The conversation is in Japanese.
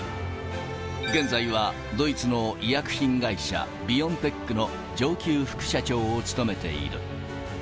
現在はドイツの医薬品会社、ビオンテックの上級副社長を務めている。